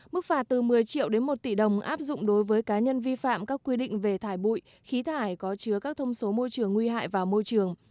mức phạt từ một mươi triệu đến một tỷ đồng áp dụng đối với cá nhân vi phạm các quy định về thải bụi khí thải có chứa các thông số môi trường nguy hại vào môi trường